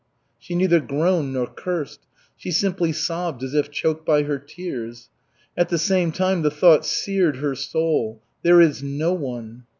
She neither groaned nor cursed. She simply sobbed as if choked by her tears. At the same time the thought seared her soul, "There is no one!